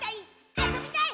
あそびたい！」